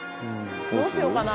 どうしようかな？